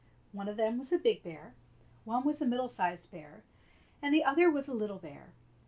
One of them was a big bear, and one was a middle sized bear, and the other was a little bear.